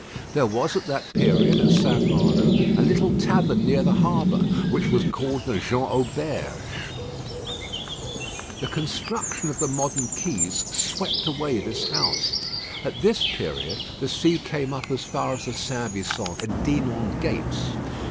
There was at that period, at St. Malo, a little tavern near the harbour, which was called the "Jean Auberge." The construction of the modern quays swept away this house. At this period, the sea came up as far as the St. Vincent and Dinan gates.